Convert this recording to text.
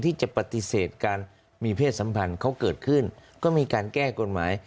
ที่จะปฏิเสธการมีเพศสัมพันธ์เขาเกิดขึ้นก็มีการแก้กฎหมาย